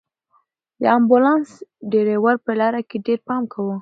د امبولانس ډرېور په لاره کې ډېر پام کاوه.